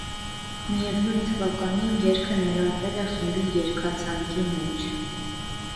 Միևնույն թվականին երգը ներառվել է խմբի երգացանկի մեջ։